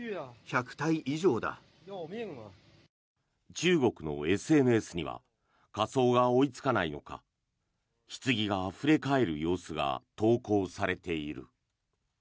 中国のＳＮＳには火葬が追いつかないのかひつぎがあふれ返る様子が投稿されている。